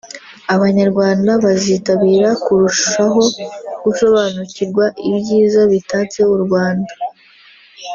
Abanyarwanda bazitabira kurushaho gusobanukirwa ibyiza bitatse u Rwanda